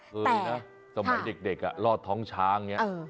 เคยนะสมัยเด็กรอดท้องช้างอย่างนี้